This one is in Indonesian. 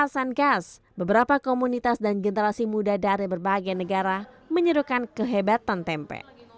pasankes beberapa komunitas dan generasi muda dari berbagai negara menyerukan kehebatan tempe